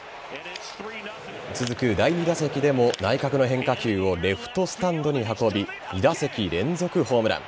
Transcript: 続く第２打席でも内角の変化球をレフトスタンドへ運び２打席連続ホームラン。